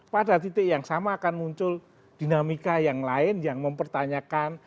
pada titik yang sama akan muncul dinamika yang lain yang mempertanyakan